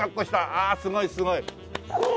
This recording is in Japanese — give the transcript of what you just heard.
ああすごいすごい。